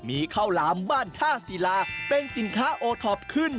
มีข้าวหลามบ้านท่าศิลาเป็นสินค้าโอท็อปขึ้น